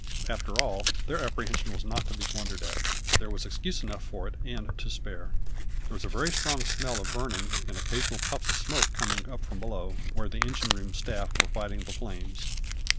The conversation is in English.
After all, their apprehension was not to be wondered at; there was excuse enough for it, and to spare. There was a very strong smell of burning and occasional puffs of smoke coming up from below, where the engine room staff were fighting the flames.